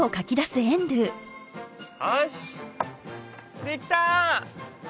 よしできた！